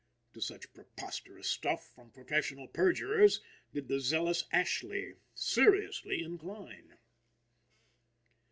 To such preposterous stuff, from professional perjurers, did the zealous Ashley seriously incline.